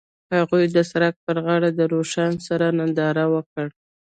هغوی د سړک پر غاړه د روښانه سرود ننداره وکړه.